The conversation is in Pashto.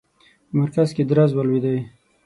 په مرکز کې درز ولوېدی.